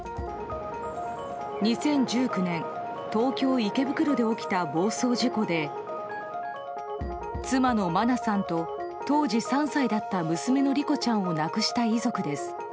２０１９年東京・池袋で起きた暴走事故で妻の真菜さんと、当時３歳だった娘の莉子ちゃんを亡くした遺族です。